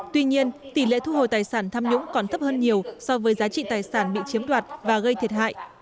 tuy nhiên tỷ lệ thu hồi tài sản tham nhũng còn thấp hơn nhiều so với giá trị tài sản bị chiếm đoạt và gây thiệt hại